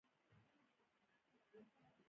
ايمان په تلقين سره رامنځته کېدای شي.